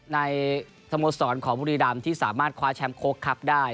สโมสรของบุรีรำที่สามารถคว้าแชมป์โค้กครับได้